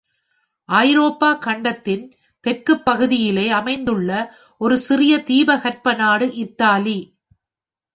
ஐரோப்பா கண்டத்தின் தெற்குப் பகுதியிலே அமைந்துள்ள ஒரு சிறிய தீபகற்ப நாடு இத்தாலி.